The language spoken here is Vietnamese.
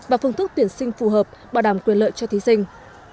và phương thức tuyển sinh phù hợp bảo đảm quyền lợi cho thí sinh